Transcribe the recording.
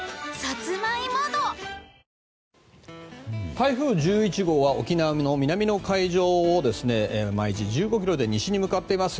台風１１号は沖縄の南の海上を毎時１５キロで西へ向かっています。